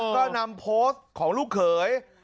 ก็นำโพสต์ของลูกเขย